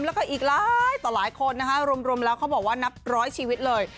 แล้วก็อีกหลายต่อหลายคนนะคะรวมแล้วเขาบอกว่านับร้อยชีวิตเลย